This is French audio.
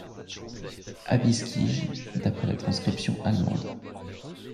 Albizkij, d'après la transcription allemande.